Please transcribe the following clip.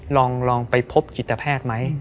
ลองไปพบจิตแพทย์ไหม